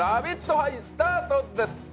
杯スタートです。